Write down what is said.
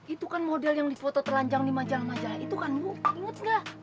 itu kan model yang dipototelanjang di majalah majalah itu kan ibu inget gak